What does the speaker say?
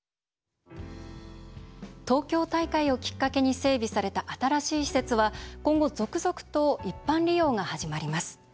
東京大会をきっかけに整備された新しい施設は今後続々と一般利用が始まります。